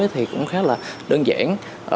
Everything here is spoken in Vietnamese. thì cũng khá là đơn giản